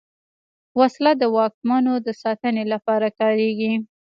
وسله د واکمنو د ساتنې لپاره کارېږي